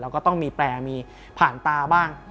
ก็ต้องมีแปรมีผ่านตาบ้าง